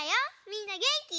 みんなげんき？